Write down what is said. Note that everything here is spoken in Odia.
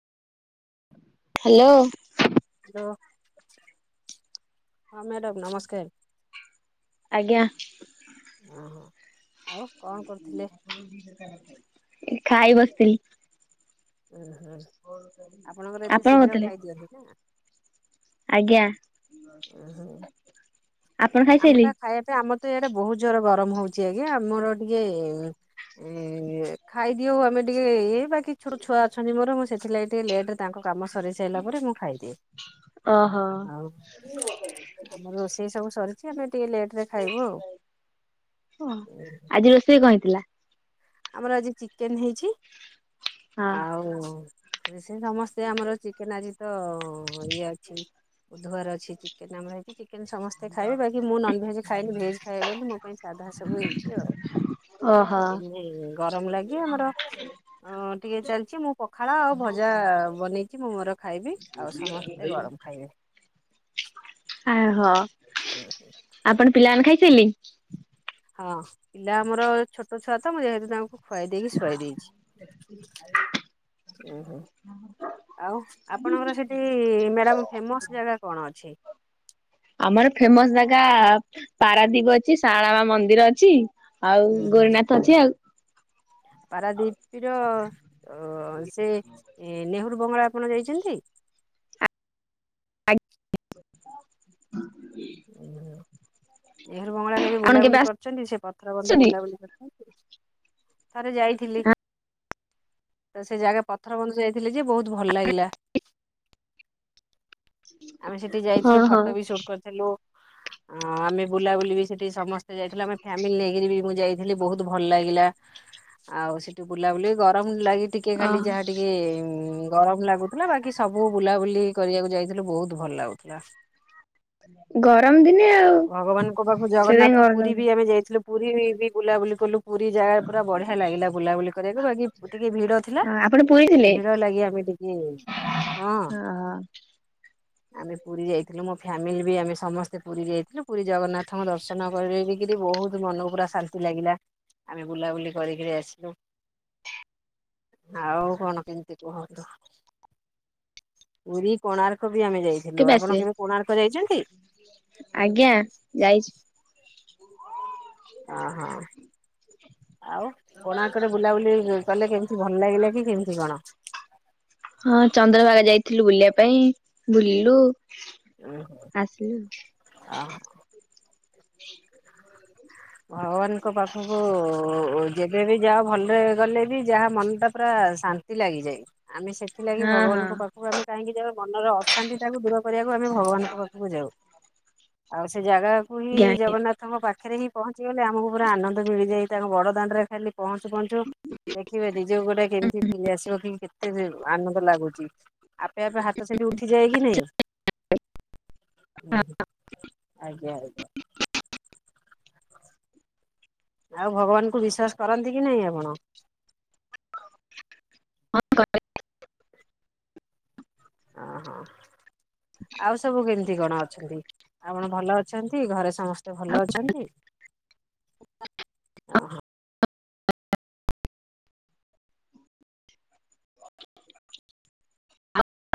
ହ୍ୟାଲୋ। ହ୍ୟାଲୋ, ହଁ ମ୍ୟାଡ଼ାମ୍ ନମସ୍କାର। ଆଜ୍ଞା। ହଁ ଆଉ କଣ କରୁଥିଲେ? ଏ ଖାଇ ବସିଥିଲି। ଉଁ ହୁଁ ଆପଣଙ୍କର ଏତେ ଆପଣ ଶୀଘ୍ର କରିଥିଲେ ଖାଇଦିଅନ୍ତି ନା? ଆଜ୍ଞା, ଉଁ ହୁଁ। ଆପଣ ଆମଟା ଖାଇସାଇଲେଣି? ଖାଇବା ପାଇଁ ଆମର ତ ଏଆଡେ ବହୁତ ଜୋର୍ ଗରମ ହଉଚି ଆଜ୍ଞା ଆମର ଟିକେ ଏ-ଏ-ଏ ଖାଇଦିଉ ଆମେ ଟିକେ ଇଏ ବାକି ଛୋଟ ଛୁଆ ଅଛନ୍ତି ମୋର ମୁଁ ସେଥିଲାଗି ଟିକେ ଲେଟ୍ ରେ ତାଙ୍କ କାମ ସରେଇ ସାରିଲା ପରେ ମୁଁ ଖାଇଦିଏ, ଆଉ ହ [inaudible] ଆମର ରୋଷେଇ ସବୁ ସରିଚି ଆମେ ଟିକେ ଲେଟ୍ ହଁ ଆଜି ରୋଷେଇ କଣ ହେଇଥିଲା? ଆମର ଆଜି ଚିକେନ ହେଇଛି। ହଁ। ହଉ ସେ ସମସ୍ତେ ଆମର ଚିକେନ ଆଜି ତ ଇଏ ଅଛି। ବୁଧବାର ଅଛି ଚିକେନ୍ ଆମର ହେଇଛି ଚିକ୍ ଚିକେନ୍ ସମସ୍ତେ ଖାଇବେ ବାକି ମୁଁ ନନଭେଜ୍ ଖାଏନି ଭେଜ୍ ଖାଏ ବୋଲି ମୋ ପାଇଁ ସାଧା ସବୁ ହେଇଛି ଆଉ। ଓହୋଃ। ହୁଁ ଗରମ ଲାଗି ଆମର ଅ ଟିକେ ଚାଲିଛି ମୁଁ ପ ଖାଳ ଆଉ ଭଜା ବନେଇଛି ମୁଁ ମୋର ଖାଇବି ଆଉ ସମସ୍ତେ ଗରମ ଖାଇବେ। ଆୟ ହ। ହୁଁ। ଆପଣ ପିଲାମାନେ ଖାଇସାଇଲେ? ହଁ ପିଲା ଆମର ଛୋଟ ଛୁଆ ତ ମୁଁ ଯେହେତୁ ତାଙ୍କୁ ଖୁଆଇ ଦେଇକି ଶୁଆଇ ଦେଇଛି। ଉଁ ହୁଁ। ଆଉ ଆପଣଙ୍କର ସେଠି ମ୍ୟାଡ଼ାମ ଫେମସ୍ ଜାଗା କଣ ଅଛି? ଆମର ଫେମସ ଜାଗା ପାରାଦୀପ ଅଛି ସାଳମା ମନ୍ଦିର ଅଛି। ଆଉ ଗୌରିନାଥ ଅଛି ଆଉ। ପାରାଦୀପୀର ଅ ସେ ନେହରୁ ବଙ୍ଗଳା ଆପଣ ଯାଇଛନ୍ତି? ଓ ନେହେରୁ ବଙ୍ଗଳା କେବେ ବୁଲାବୁଲି କରିଛନ୍ତି? ସେ ପଥର ବନ୍ଧ ଆସିଛନ୍ତି? ବୁଲାବୁଲି କରିଛନ୍ତି? ଥରେ ଯାଇଥିଲି। ତ ସେ ଜାଗା ପଥର ବନ୍ଧ ଯାଇଥିଲି ଯେ ବହୁତ ଭଲ ଲାଗିଲା। ଆମେ ସେଠି ହଁ ଯାଇଥିଲୁ ହଁ ଫଟୋ ବି ସୁଟ କରିଥିଲୁ। ଅ ଆମେ ବୁଲାବୁଲି ବି ସେଠି ସମସ୍ତେ ଯାଇଥିଲେ ଆମେ ଫ୍ୟାମିଲି ନେଇକରି ବି ମୁଁ ଯାଇଥିଲି ବହୁତ ଭଲ ଲାଗିଲା। ଆଉ ସେଠି ବୁଲାବୁଲି ଗରମ ଲାଗେ ଟିକେ ଖାଲି ଓହୋ ଯାହା ଟିକେ ଗରମ ଲାଗୁଥିଲା ବାକି ସବୁ ବୁଲାବୁଲି କରିବାକୁ ଯାଇଥିଲୁ ବହୁତ ଭଲ ଲାଗୁଥିଲା। ଗରମ ଦିନେ ଆଉ। ଭଗବାନଙ୍କ ପାଖକୁ ସେଥିପାଇଁ ଜଗନ୍ନାଥ ଗରମ ପୁରୀ ବି ଲାଗୁଥିବ ଆମେ ଯାଇଥିଲୁ। ପୁରୀ ବି ବୁଲାବୁଲି କଲୁ। ପୁରୀ ଜାଗା ପୁରା ବଢିଆ ଲାଗିଲା ବୁଲାବୁଲି କରିବାକୁ। ବାଗୀ ଟିକେ ଭିଡ ଥିଲା ହଁ ଆପଣ। [unintelligible] ଭିଡ ଲାଗୀ ଆମେ ଟିକେ ହଁ। ଆମେ ପୁରୀ ଯାଇଥିଲୁ ମୋ ଫ୍ୟାମିଲି ବି ଆମେ ସମସ୍ତେ ପୁରୀ ଯାଇଥିଲୁ ପୁରୀ ଜଗନ୍ନାଥଙ୍କ ଦର୍ଶନ କରିକିରି ବହୁତ ମନକୁ ପୁରା ଶାନ୍ତି ଲାଗିଲା। ଆମେ ବୁଲାବୁଲି କରିକିରି ଆସିଲୁ। ଆଉ କଣ କେମିତି କୁହନ୍ତୁ? ପୁରୀ କୋଣାର୍କ ବି ଆମେ ଯାଇଥିଲୁ। ଆପଣ କେବେ କୋଣାର୍କ ଯାଇଛନ୍ତି? ଆଜ୍ଞା ଯାଇଛି। ଅହ ଆଉ? କୋଣାର୍କରେ ବୁଲାବୁଲି କଲେ କେମିତି ଭଲ ଲାଗିଲା କି କେମିତି କଣ? ହଁ ଚନ୍ଦ୍ରଭାଗା ଯାଇଥିଲୁ ବୁଲିବା ପାଇଁ ବୁଲିଲୁ। ହୁଁ ଆସିଲୁ ଅହ। ଭଗବାନଙ୍କ ପାଖକୁ ଯେବେବି ଯାଅ ଭଲରେ ଗଲେ ବି ଯାହା ମନଟା ପୁରା ଶାନ୍ତି ଲାଗିଯାଏ ଆମେ ସେଥିଲାଗି ହଁ ହଁ ଭଗବାନଙ୍କ ପାଖକୁ ତା ଆମେ କାହିଁକି ଯାଉ ମନର ଅଶାନ୍ତି ଟାକୁ ଦୂର କରିବାକୁ ଆମେ ଭଗବାନଙ୍କ ପାଖକୁ ଯାଉ। ଆଉ ସେ ଜାଗାକୁ ହିଁ ଆଜ୍ଞା। ଜଗନ୍ନାଥଙ୍କ ପାଖରେ ହିଁ ପହଞ୍ଚି ଗଲେ ଆମକୁ ପୁରା ଆନନ୍ଦ ମିଳିଯାଏ ତାଙ୍କ ବଡ ଦାଣ୍ଡରେ ଖାଲି ପହଞ୍ଚୁ ପହଞ୍ଚୁ ଦେଖିବେ ନିଜ ଗୋଟେ କେମିତି ଫିଲ ଆସିବ କି ଏତେ ଆନନ୍ଦ ଲାଗୁଛି। ଆପେ ଆପେ ହାତ ସେଠି ଉଠିଯାଏ କି ନାଇଁ? ଉହୁଁ ଆଜ୍ଞା ଆଜ୍ଞା। ଆଉ ଭଗବାନଙ୍କୁ ବିଶ୍ୱାସ କରନ୍ତି କି ନାଇଁ ଆପଣ? ହଁ କରେ। ଅହ ଆଉ ସବୁ କେମିତି କଣ ଅଛନ୍ତି। ଆପଣ ଭଲ ଅ ଚନ୍ତି ଘରେ ସମସ୍ତେ ଭଲ ଅଛନ୍ତି।